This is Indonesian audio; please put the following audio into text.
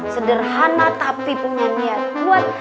sederhana tapi punya niat kuat